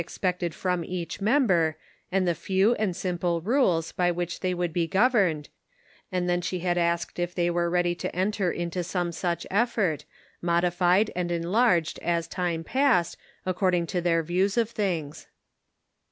expected from each member, and the few and simple rules by which they would be gov erned, and then she had asked if they were ready to enter into some such effort, modified and enlarged as time passed, according to their views of things.